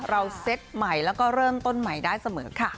เซตใหม่แล้วก็เริ่มต้นใหม่ได้เสมอค่ะ